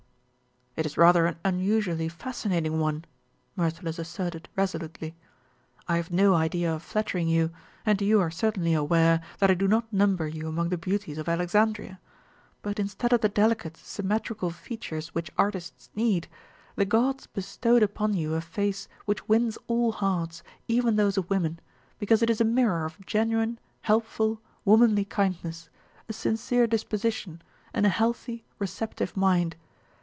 "It is rather an unusually fascinating one," Myrtilus asserted resolutely. "I have no idea of flattering you, and you are certainly aware that I do not number you among the beauties of Alexandria. But instead of the delicate, symmetrical features which artists need, the gods bestowed upon you a face which wins all hearts, even those of women, because it is a mirror of genuine, helpful, womanly kindness, a sincere disposition, and a healthy, receptive mind.